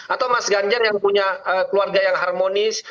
atau mas ganjar yang punya keluarga yang harmonis